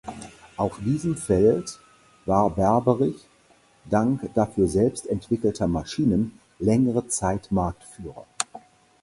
Auf diesem Feld war Berberich dank dafür selbst entwickelter Maschinen längere Zeit Marktführer.